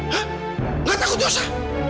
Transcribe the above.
tidak takut dosa